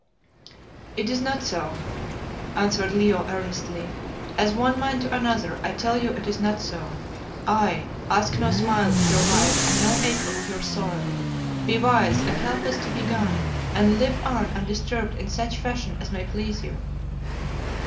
"It is not so," answered Leo earnestly. "As one man to another, I tell you it is not so. I ask no smile of your wife and no acre of your soil. Be wise and help us to be gone, and live on undisturbed in such fashion as may please you."